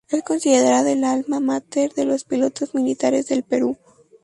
Es considerada el Alma Mater de los pilotos militares del Perú.